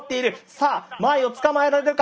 さあ前を捕まえられるか。